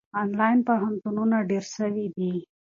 آنلاین پوهنتونونه ډېر سوي دي.